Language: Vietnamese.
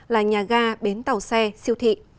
là nhà ga bến tàu xe siêu thị